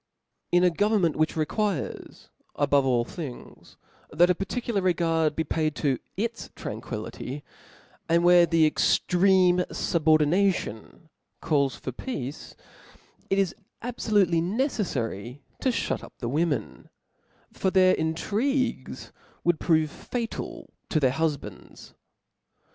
In a government, which requires, above all things, that a particular regard be paid to its tranquility, and where thecjctreme fu'bofdination calk for peace, it is abfolutcly neceffary to fliut up the women ; for their intrigues Would prove faul to their huf bands.